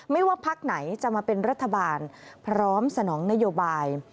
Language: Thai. ว่าพักไหนจะมาเป็นรัฐบาลพร้อมสนองนโยบาย